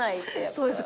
そうです。